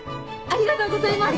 ありがとうございます！